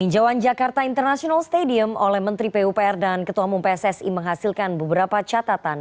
tinjauan jakarta international stadium oleh menteri pupr dan ketua umum pssi menghasilkan beberapa catatan